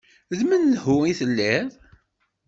D menhu i telliḍ!